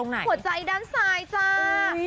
หัวใจด้านซ้ายจ้า